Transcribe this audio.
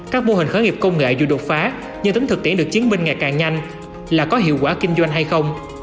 các mô hình khởi nghiệp công nghệ dù đột phá nhưng tính thực tiễn được chứng minh ngày càng nhanh là có hiệu quả kinh doanh hay không